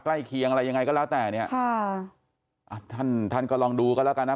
เคียงอะไรยังไงก็แล้วแต่เนี้ยค่ะอ่ะท่านท่านก็ลองดูกันแล้วกันนะ